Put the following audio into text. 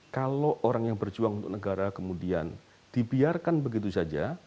kalau orang yang berjuang untuk negara kemudian dibiarkan begitu saja